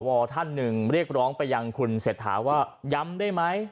ท่านหนึ่งเรียกร้องไปยังคุณเศรษฐาว่าย้ำได้ไหม